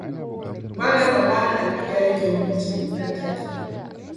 Bana tsammanin Aliyu ya yanke hukunci nan take.